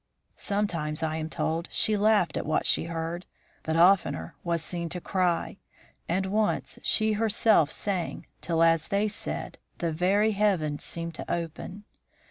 Sometimes, I am told, she laughed at what she heard, but oftener was seen to cry, and once she herself sang till, as they said, the very heavens seemed to open.